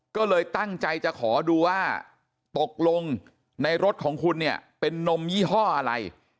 ก็เลยตั้งใจจะขอดูว่าตกลงในรถของคุณเนี่ยเป็นนมยี่ห้ออะไร